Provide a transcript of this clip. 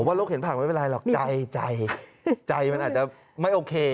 โลกเห็นผักไม่เป็นไรหรอกใจใจมันอาจจะไม่โอเค